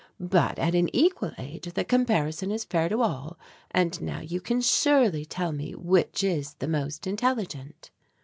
But at an equal age the comparison is fair to all and now you can surely tell me which is the most intelligent."